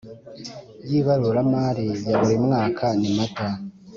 y ibaruramari ya buri mwaka ni Mata